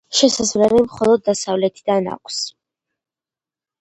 შესასვლელი მხოლო დასავლეთიდან აქვს.